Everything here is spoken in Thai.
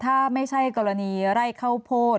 ถ้าไม่ใช่กรณีไล่เข้าโพธิ์